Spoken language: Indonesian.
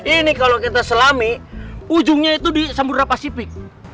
ini kalau kita selami ujungnya itu di samudera pasifik